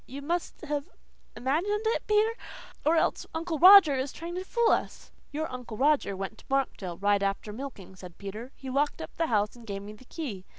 You must have imagined it, Peter. Or else Uncle Roger is trying to fool us." "Your Uncle Roger went to Markdale right after milking," said Peter. "He locked up the house and gave me the key.